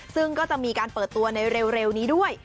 ซึ่งก็จะมีการเปิดตัวในเร็วนี้ด้วย